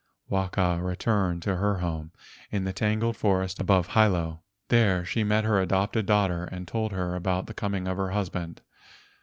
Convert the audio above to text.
Waka returned to her home in the tangled forest above Hilo. There she met her adopted daughter and told her about the coming of her husband.